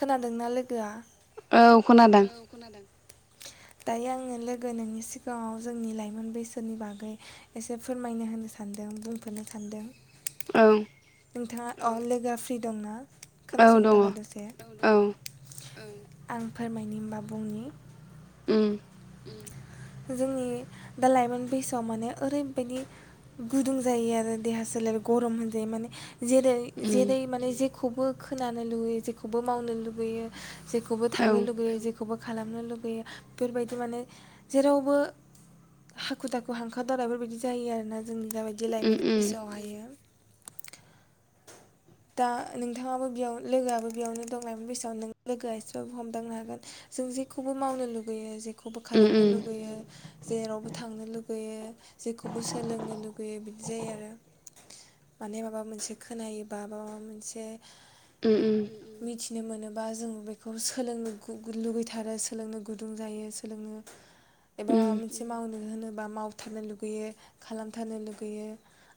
खोनादोंना लोगोआ औ खोनादों दायो आङो लोगो नोंनि सिगाङाव जोंनि लाइमोन बैसोनि बागै एसे फोरमायनो होनो सानदों बुंफोरनो सानदों औ नोंथाङा औ लोगाया फ्रि दंना खोनासंनो थाखाय दसे औ आं फोरमायनो होनबा बुंनि उम जोंनि दा लाइमोन बैसोआव माने ओरैबायदि गुदुं जायो आरो देहा सोलेर गरम होनजायो माने जेरै जेरै माने जे खौबो खोनानो लुबैयो जेखौबो मावनो लुुबैयो जेखौबो थांनो लुबैयो जेख खौबो खालामनो लुुबैयो बेफोर बायदि थ' माने जेरावबो हाखु दाखु हांखादावरा बेफोरबायदि जायो आरोना जोंनि दा बि लाइमोन बैसोआव हायो दा नोंथाङाबो बेयाव लोगोआबो बेयावनो दं लाइमोन बैसैआव। लोगोआ एसेबाबो हमदांनो हागोन जों जेखौबो मावनो लुगैयो जे खौबो खालामनो लुबैयो जेरावबो थांनो लुगैयो, जेखौबो सोलोंनो लुगैयो। बिदि जायो आरो माने माबा मोनसे खोनायो बा माबामोनसे मिथिनो मोनोबा जों बेखौ सोलोंनो लुगैथारो, सोलोंनो गुदुं जायो। सोलोंनो एबा माबा मोनसे मावनो होनोबा मावथारनो लुगैयो, खालामथारनो लुगैयो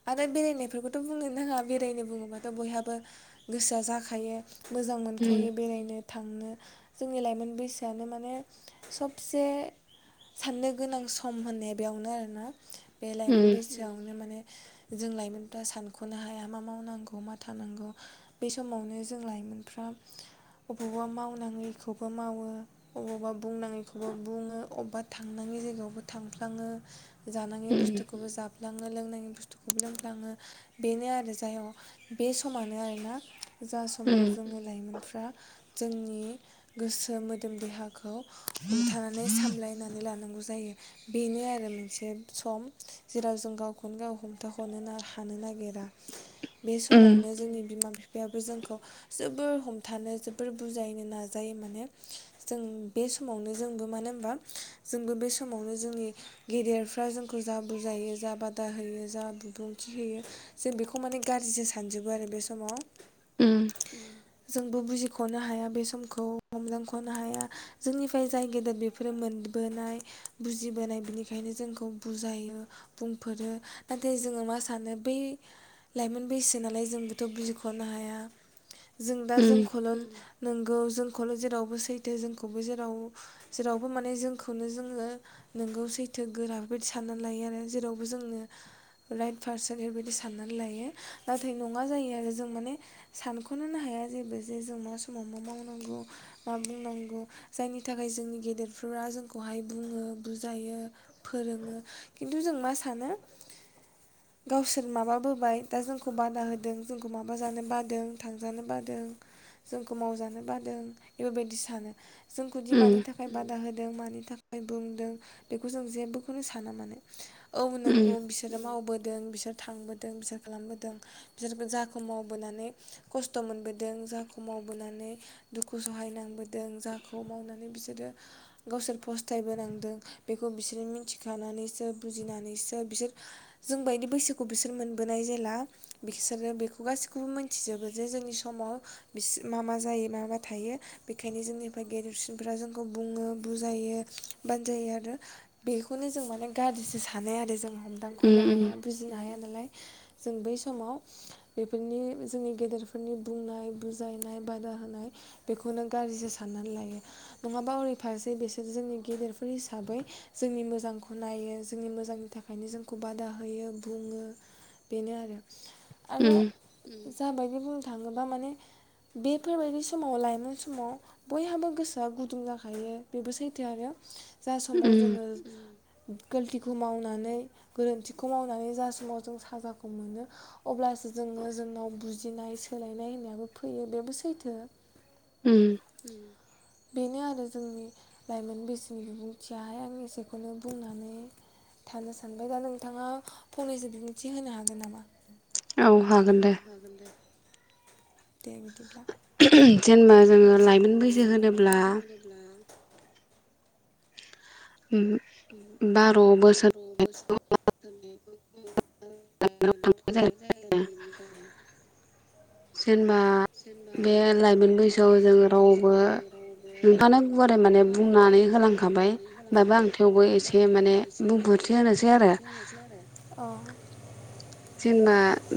आरो बेरायनायफोरखौथ' बुंनो नाङा बेरायनो बुङोबा थ' बयहाबो गोसोआ जाखायो। मोजां मोनखायो बेरायनो। थांनो। जोंनि लाइमोन बैसोआनो माने सबसे साननो गोनां सम होननाया बेयावनो आरोना। बे लाइमोन बैसोआवनो माने जों लाइमोनफ्रा सानख'नो हाया मा मावनांगौ मा थानांगौ, बे समावनो जों लाइमोनफ्रा अबावबा मावनाङैखौबो मावो, अबावबा बुंनाङैखौबो बुङो, अबेबा थांनाङै जायगायावबो थांफ्लाङो। जानाङि बुस्थुखौबो जा लाङो लोंनाङि बुस्थुखौ लोंफ्लाङो बेनो आरो जायहग। बे समानो आरोना जा समाव जोङो लाइमोन फ्रा जोंनि गोसो मोदोम देहाखौ हमथानानै सामलायनानै लानांगौ जायो। बेनो आरो मोनसे सम जेराव जों गावखौनो गाव हमथाख'नोनो हानो नागिरा। बे समावनो जोंनि बिमा-बिफा बेहाबो जोंखौ जोबोर हमथानो जोबोर बुजायनो नाजायो। माने जों बे समावनो जोंबो मानो होमबा जोंबो बे समावनो जोंनि गेदेरफ्रा जोंखौ जा बुजायो जा बादा होयो जा बिबुंथि होयो जों बेखौ माने गाज्रिसो सानजोबो आरो बे समाव। जों बो बुजिख'नो हाया बे समखौ, हमदांख'नो हाया, जोंनिफ्राय जाय गेदेर बेफोरो मोनबोनाय, बुजिबोनाय बिनिखायनो जोंखौ बुजायो बुंफोरो। नाथाय जोङो मा सानो बै लाइमोन बैसो नालाय जोंबोथ' बुजिख'नो हाया। जों दा जोंखौनो नोंगौ, जोंखौल' जेरावबो सैथो जोंखौबो जेराव, जेरावबो माने जोंखौनो जोङो नोंगौ सैथो गोरा बेबायदि साननानै लायो आरो जेरावबो जोंनो राइट पारसन बेबायदि सानना लायो नाथाय नङा जायो आरो जों माने सानख'नोनो हाया जेबो, जे जों मा समाव मा मावनांगौ, मा बुंनांगौ, जायनि थाखाय जोंनि गेदेरफोरा जोंखौहाय बुङो, बुजायो, फोरोङो खिन्थु जों मा सानो गावसोर माबाबो बाय दा जोंखौ बादा होदों, जोंखौ माबाजानो बादों, थांजानो बादों, जोंखौ मावजानो बादों बेफोरबायदि सानो। जोंखौ दि मानि थाखाय बादा हो दों, मानि थाखाय बुंदों बेखौ जों जेबोखौनो साना मानो। औ नोंगौ बिसोरो मावबो दों, बिसोर थांबो दों बिसार खालामबोदों, बिसोर जाखौ मावबोनानै खस्थ' मोनबोदों, जाखौ मावबोनानै दुखु सहायनांबोदों, जाखौ मावनानै बिसोरो गावसोर फस्थायबोनांदों, बेखौ बिसोरो मिथिखानानैसो बुजिनानैसो बिसोर जों बायदि बैसोखौ बिसोर मोन बोनाय जेला बिसोरो बेखौ गासैखौबो मोनथिजोबो जे जोंनि समाव बिस मा मा जायो मा मा थायो बेखायनो जोंनिफ्राय गेदेरसिनफ्रा जोंखौ बुङो, बुजायो, बानजायो आरो बेखौनो जों माने गाज्रिसो सानो आरो जों। हमदांख'नो हाया बुजिनो हाया। नालाय जों बै समाव बेफोरनि जोंनि गेदेरफोरनि बुंनाय, बुजायनाय, बादा होनाय बेखौनो गाज्रिसो साननानै लायो। नङाबा ओरै फारसे बिसोर जोंनि गेदेरफोर हिसाबै जोंनि मोजांखौ नायो, जोंनि मोजांनि थाखायनो जोंखौ बादा होयो बुङो। बेनो आरो। आरो उम जाबादि बुंनो थाङोबा माने बेफोरबायदि समाव लाइमोन समाव बयहाबो गोसोआ गुदुं जाखायो बेबो सैथो आरो। जा समाव जोङो गोल्थिखौ मावनानै गोरोन्थिखौ मावनानै जा समाव जों साजाखौ मोनो अब्लासो जोङो जोंनाव बुजिनाय सोलायनाय होननायाबो फैयो बेबो सैथो। उम। बेनो आरो जोंनि लाइमोन बैसोनि बिबुंथियाहाय आं एसेखौनो बुंनानै थानो सानबाय दा नोंथाङा फंनैसो बिबुं थि होनो हागोन नामा? औ हागोन दे। दे बिदिब्ला जोङो जोङो लाइमोन बुजि होनोब्ला बार' बोसोर होननाय [unintelligible] [unintelligible] जेनेबा बे लाइमोन बैसोआव जों रावबो नोंथाङानो गुवारै माने बुंनानै होलांखाबाय होमबाबो आं थेवबो एसे माने बुंफोरथि होनोसै आरो। जेनेबा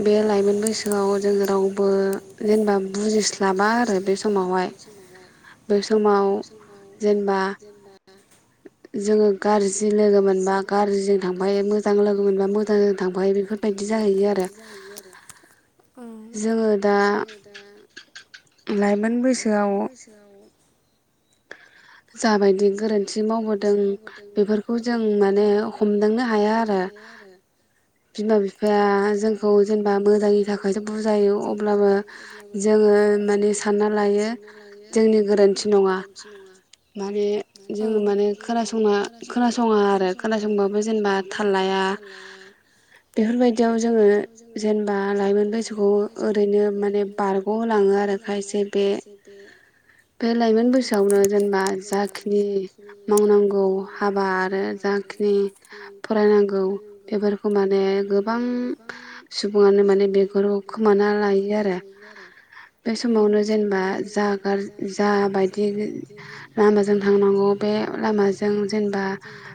बे लाइमोन बैसोआव जोंङो रावबो जेनेबा बुजिस लाबा आरो बे समावहाय बे समाव जेनबा जोङो गारजि लोगो मोनबा गारजिजों थांफायो मोजां लोगो मोनबा मोजांजों थांफायो बेफोरबायदि जाहैयो आरो ओं जोङो दा लाइमोन बैसोआव जाबायदि गोरोन्थि मावबोदों बेफोरखौ जों माने हमदांनो हाया आरो। बिमा बिफाया जोंखौ जेनबा मोजांनि थाखायसो बुजायो अब्लाबो जोङो माने सानना लायो जोंनि गोरोनथि नङा। जोङो माने खोनासंना खोनासङा आरो खोनासंबाबो जेनबा थाल लाया बेफोरबायदियाव जोङो जेनबा लाइमोन बैसोखौ ओरैनो माने बारग' होलाङो आरो खायसे बे [unintelligible] बे लाइमोन बैसोआवनो जेनबा जाखिनि मावनांगौ हाबा आरो जाखिनि फरायनांगौ बेफोरखौ माने गोबां सुबुङानो माने बेगराव खोमाना लायो आरो बे समावनो जेनेबा जागार फोर जाबायदि लामाजों थांनांगौ बे लामाजों जेनेबा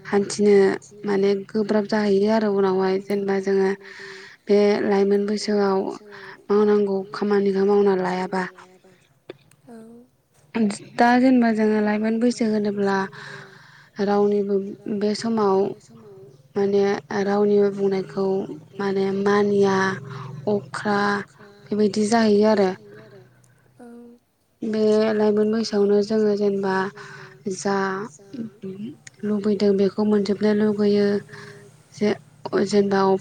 हान्थिनो माने गोब्राब जाहैयो आरो उनावहाय जेनेबा जोङो बे लाइमोन बैसोआव मावनांगौ खामानिखौ मावना लायाबा औ दा जेनेबा जोङो लाइमो जों होनोब्ला रावनिबो बे समाव माने रावनिबो बुंनायखौ माने मानिया अख्रा बेबायदि जाहैयो आरो बेयो लाइमोन बैसोआवनो जोङो जेनेबा जोङो जेनबा जा लुबैदों बेखौ मोनजोबनो लुबैयो जे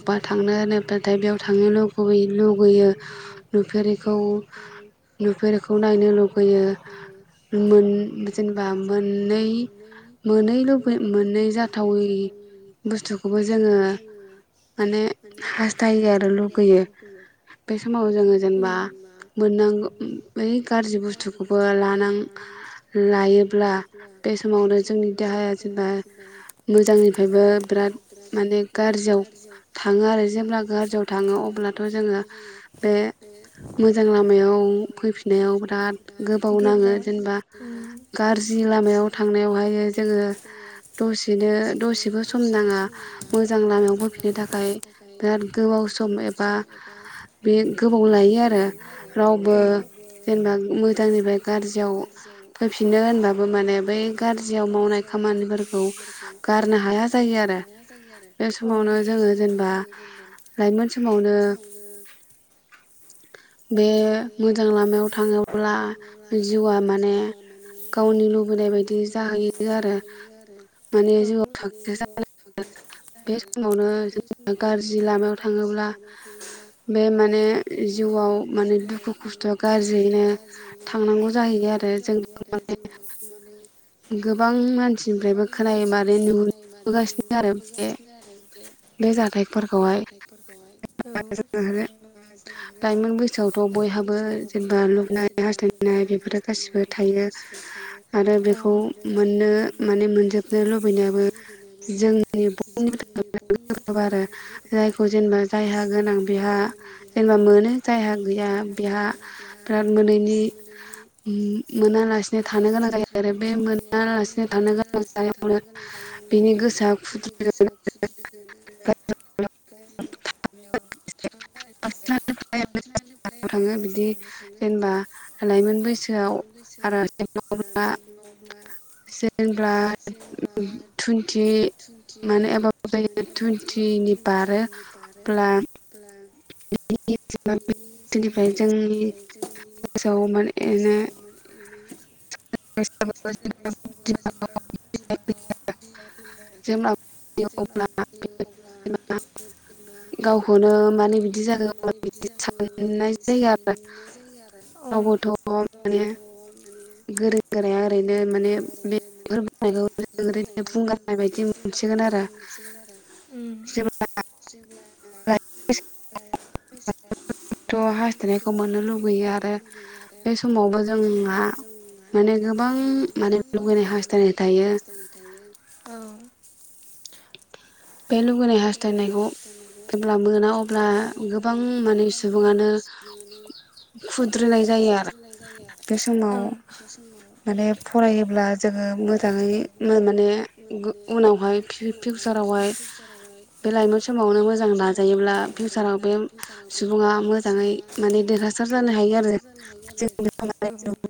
जेनबा अबबा थांनो होनबाथाय बेयाव थांनो लुगै लुबगैयो नुफेरिखौ नुफेरैखौ नायनो लुबैयो जेनेबा मोननै मोनै लुबै मोननै जाथावै बुस्थुखौबो जोङो माने हास्थायो आरो लुबैयो बे समाव जोङो जेनेबा मोननांगौ गाज्रि बुस्थुखौबो लानां लायोब्ला बे समावनो जोंनि देहाया जेब्ला मोजांनिफ्रायबो बिराद माने गाज्रियाव थाङो आरो जेब्ला गाज्रियाव थाङो अब्लाथ' जोङो बे मोजां लामायाव फैफिननायाव बिराद गोबाव नाङो जेनेबा [inaudible] गाज्रि लामायाव थांनायाव हाय जोङो दसेनो दसेबो सम नाङा मजां लामा हान्थिनो थाखाय बिराद गोबाव सम एबा बि गोबाव लायो आरो औ जेनेबा मोजांनिफ्राय गाज्रियाव ज्रियाव फैफिननो होनबाबो माने बै गाज्रियाव मावनाय खामानिफोरखौ गारनो हाया जायो आरो ओ बे समावनो जोङो जेनेबा लाइमोन समावनो बे मो लामायाव थाङोब्ला जिउआ माने गावनि लुबैनाय बायदि जाहैयो आरो माने जिउआव [unintelligible] बे समावनो गाज्रि लामायाव थाङोब्ला बे माने जिउआव जिउआव माने दुखु खस्थ'आ गाज्रियैनो थांनांगौ जाहैयो आरो जों बे माने गोबां मानसिनिफ्रायबो खोनायो माने नुबोगासिनो आरो बे बे जाथायफोरखौहाय औ [inaudible] थ बयहाबो गोसावथ' बयहाबो जेनेबा लोबैनाय हास्थायनाय बेफोर गासिबो थायो आरो बेखौ मोननो माने मोनबोनो लुबैनायाबो जोंनि बयनिबो थाखायबो आरो लाइफखौ जेनेबा जायहा गोनां बेहा जायहा गैया [unintelligible] [unintelligible] थाङो बिदि जेनेबा लाइमोन बैसोआव [unintelligible] ब [unintelligible] [unintelligible] [unintelligible] बिदि [unintelligible] होनब्ला बिदि साननाय जायो आरो ओ रावबोथ' माने गोरों गोराया ओरैनो माने बेफोर बुंनायखौ ओरैनो बुंगारनाय बायदि मोनसिगोन आरो जेब्ला [unintelligible] [unintelligible] माने गोबां माने लगैनाय हास्थायनाय थायो बे लुबैनाय हास्थायनायखौ जेब्ला मोना अब्ला गोबां माने सुबुङानो खुद्रिनाय जायो आरो बे समाव माने फरायोब्ला जोङो मोजाङै माने गो उनावहाय फिउसार आवहाय फिउचारावाय बे लाइमोन समावनो मोजां नाजायोब्ला फिउसाराव बे सुबुङा मोजाङै माने देरहासार जानो हायो आरो दासिमबो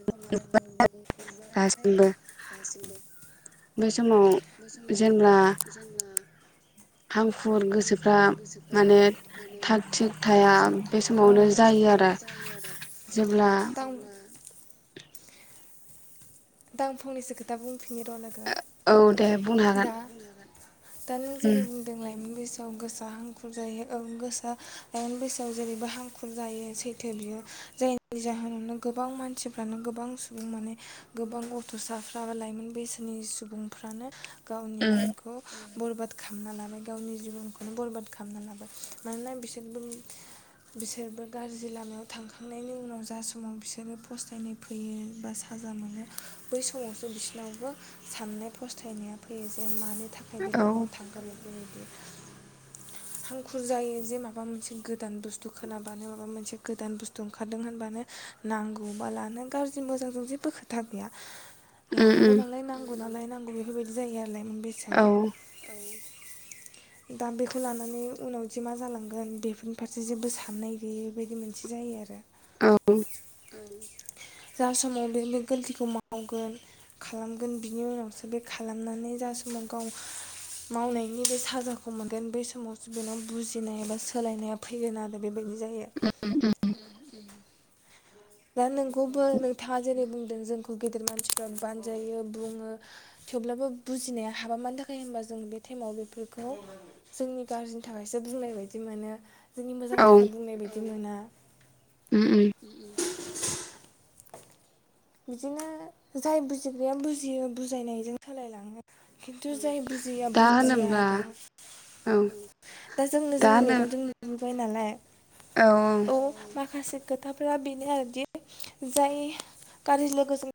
बे समाव जोंना। हांखुर गोसोफ्रा माने थाग थिग थाया बे समावनो जायो आरो जेब्ला। दा आं फंनैसो खोथा बुंफिनि र' लोगो। औ दे बुंनो हागोन। दा नों जेरै बुंदों लाइमोन। बैसोआव गोसा हांखुर जायो गोसा दन बैसोआव जेरैबो हांखुर जायो सैथो बियो जायनि जाहोनावनो गोबां मानसिफ्रानो गोबां सुबुं माने। गोबां गथ'साफ्रा बा लाइमोन बैसोनि सुबुंफ्रानो। गावनि लाइफखौ। बरबाद खालामना लाबाय गावनि जिबनखौनो बरबाद खालामना लाबाय मानोना बिसोरबो बिसोरबो गाज्रि लामायाव थांखांनायनि उनाव जा समाव बिसोरो फस्थायनाय फैयो बा साजा मोनो। बै समावसो बिसिनावबो साननाय फस्थायनाया फैयो जे मानि। थाखाय बे इलामाव थांग्रोन। हांखुर जायो जे माबा मोनसे गोदान बुस्थु खोनाबानो माबा मोनसे गोदान बुस्थु ओंखारदों होनबानो नांगौबा लानो गाज्रि मोजांजों जेबो खोथ। थाफिया। लानांगौ नालाय नांगौ नालाय। नांगोबो बेफोरबायदि जायो। लाइमोन बेसोआव ओ। दा बेखौ लानानै उनाव जे मा जालांगोन बेफोरनि फारसे जेबो साननाय गैयै बेबायदि मोनसे जायो आरो। औ। ओं जा समाव बे। गल्थिखौ मावगोन खालामगोन बिनि उनावसो बे खालामनानै जा समाव गाव मावनायनि बे साजाखौ मोनगोन बै समावसो बेनाव बुजिनाय एबा सोलायनाया फैगोन आरो। बेबायदि जायो उ। दा नोंखौबो नोंथाङा जेरै बुं। जोंखौ गेदेर मानसिफ्रा बानजायो बुङो थेवब्लाबो बुजिनाया हाबा मानो थाखाय हबा जों बे टाइमाव बेफोरखौ जोंनि गाज्रिनि थाखायसो बुंनाय बायदि मोनो। जोंनि मोजां थाखाय बुंनाय बायदि मोना। [unintelligible] उ उ। [unintelligible] बिदिनो जाय बुजिग्राया बुजियो बुजायनायजों सोलायलाङो खिन्थु जाय। बुजिया बुजिया आरो दा जोंनो जोंनि मेगनजोंनो। गय नालाय। औ। माखासे खोथाफोरा बेनो आरोखि जाय। खारि लोगोजों।